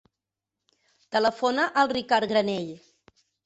Telefona al Ricard Granell.